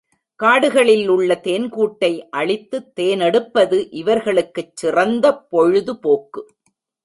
காடுகளில் உள்ள தேன்கூட்டை அழித்துத் தேனெடுப்பது இவர்களுக்குச் சிறந்த பொழுது போக்கு.